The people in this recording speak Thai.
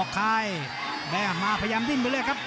พยายามดิ่มไปเลยครับ